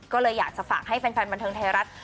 ก็เลยอยากจะฝากให้แฟนบันเทิงไทยรัฐ